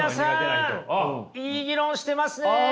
いい議論してますね！